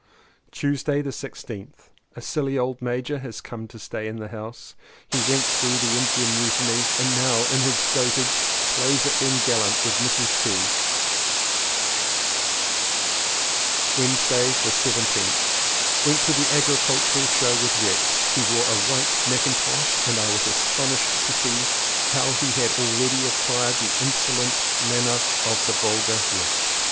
Tuesday the 16th. A silly old major has come to stay in the house. He went through the Indian Mu tiny and now in his dotage plays at being gallant with Mrs. T. 213 CONFESSIONS OF TWO BROTHERS Wednesday the 17th. Went to the Agricultural Show with Rex. He wore a white mackintosh and I was astonished to see how he had already acquired the insolent demeanour of the vulgar rich.